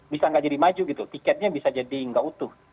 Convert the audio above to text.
bisa nggak jadi maju gitu tiketnya bisa jadi nggak utuh